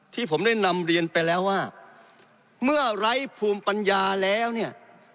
ที่ผมได้นำเรียนไปแล้วว่าเมื่อไร้ภูมิปัญญาแล้วเนี่ย